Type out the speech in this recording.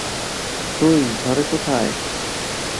কই, ঘরে কোথায়?